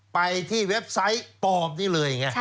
ไปที่เว็บไซต์ปลอมนี่เลยไง